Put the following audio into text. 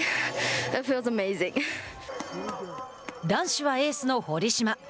男子はエースの堀島。